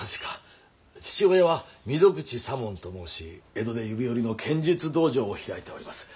父親は溝口左門と申し江戸で指折りの剣術道場を開いております。